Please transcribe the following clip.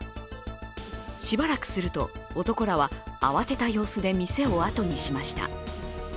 しばらくすると、男らは慌てた様子で店を後にしました。